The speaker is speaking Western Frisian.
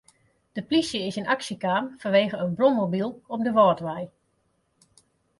De plysje is yn aksje kaam fanwegen in brommobyl op de Wâldwei.